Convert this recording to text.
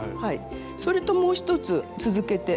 それともう一つ続けて。